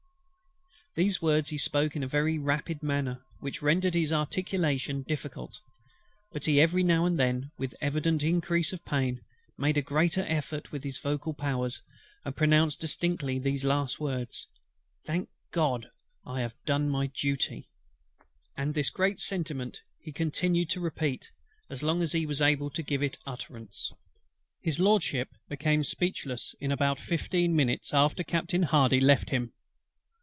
These words he spoke in a very rapid manner, which rendered his articulation difficult: but he every now and then, with evident increase of pain, made a greater effort with his vocal powers, and pronounced distinctly these last words: "Thank GOD, I have done my duty;" and this great sentiment he continued to repeat as long as he was able to give it utterance. HIS LORDSHIP became speechless in about fifteen minutes after Captain HARDY left him.